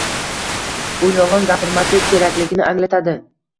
Bu yolgʻon gapirmaslik kerakligini anglatadi